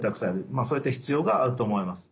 まあそういった必要があると思います。